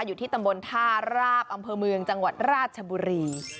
อยู่ที่ตำบลท่าราบอำเภอเมืองจังหวัดราชบุรี